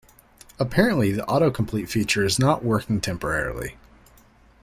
Apparently, the autocomplete feature is not working temporarily.